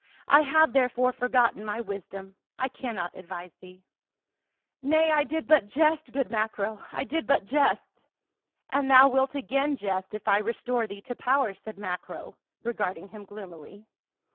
I have, therefore, forgotten my wisdom ; I cannot advise thee." 112 PAUL. " Nay, I did but jest, good Macro — I did but jest." "And thou wilt again jest, if I restore thee to power," said Macro, regarding him gloomily.